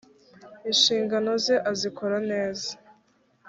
inshingano ze azikora neza.